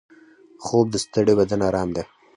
خوب د ستړي بدن ارام دی